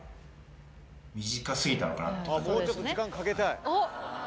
もうちょっと時間かけたい。